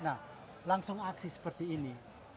nah langsung aksi seperti ini